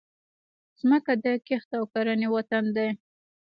مځکه د کښت او کرنې وطن دی.